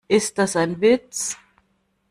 Ist das ein Witz?